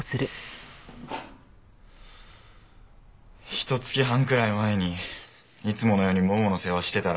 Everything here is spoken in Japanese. ひと月半くらい前にいつものようにももの世話してたら。